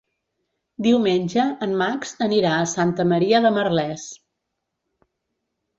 Diumenge en Max anirà a Santa Maria de Merlès.